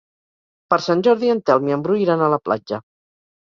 Per Sant Jordi en Telm i en Bru iran a la platja.